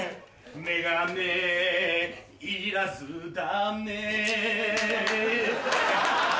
眼鏡要らずだね